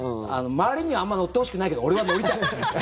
周りにはあまり乗ってほしくないけど俺は乗りたい。